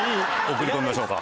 送り込みましょうか。